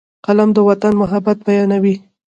قلم د وطن محبت بیانوي